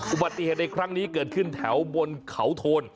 อุบัติเหตุในครั้งนี้เกิดขึ้นแถวบนเขาโทน